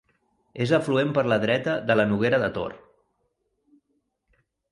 És afluent per la dreta de la Noguera de Tor.